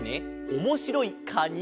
おもしろいカニ？